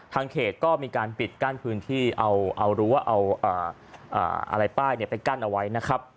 ทางเขตสามารถปิดกั้นพื้นที่เอาอะไรไปกั้นเอาไว้นะครับ